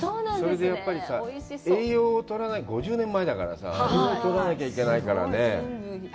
それでやっぱりさ、栄養を取らないと、５０年前だからさ、栄養を取らなきゃいけないからね。